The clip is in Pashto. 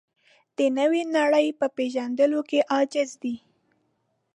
د نوې نړۍ په پېژندلو کې عاجز دی.